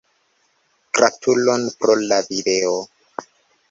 Gratulon, pro la video.